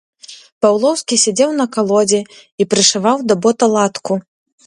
Паўлоўскі сядзеў на калодзе і прышываў да бота латку.